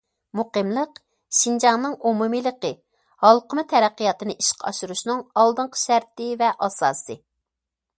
مۇقىملىق شىنجاڭنىڭ ئومۇمىيلىقى، ھالقىما تەرەققىياتىنى ئىشقا ئاشۇرۇشنىڭ ئالدىنقى شەرتى ۋە ئاساسى.